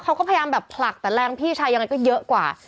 เขาก็พยายามแบบผลักแต่แรงพี่ชายยังไงก็เยอะกว่า